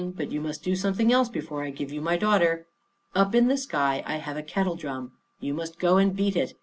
"But you must do something else before I give you my daughter. Up in the sky I have a kettle drum. You must go and beat it.